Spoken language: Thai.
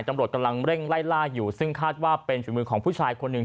ตำรวจกำลังเร่งไล่ล่าอยู่ซึ่งคาดว่าเป็นฝีมือของผู้ชายคนหนึ่ง